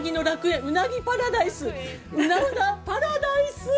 うなぎパラダイス！